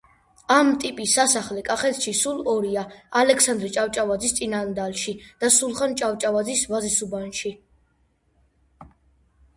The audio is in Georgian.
ამ ტიპის სასახლე კახეთში სულ ორია: ალექსანდრე ჭავჭავაძის წინანდალში და სულხან ჭავჭავაძის ვაზისუბანში.